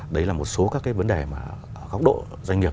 đấy là một số các vấn đề mà góc độ doanh nghiệp